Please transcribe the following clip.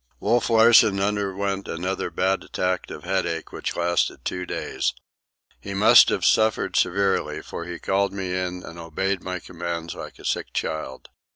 Wolf Larsen underwent another bad attack of headache which lasted two days. He must have suffered severely, for he called me in and obeyed my commands like a sick child.